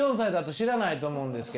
知らないですか？